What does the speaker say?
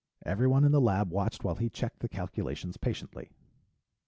Everyone in the lab watched while he checked the calculations patiently.